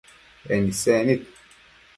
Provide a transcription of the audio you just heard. En isec nid